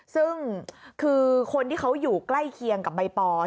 ซึ่งคือคนที่เขาอยู่ใกล้เคียงกับใบปอ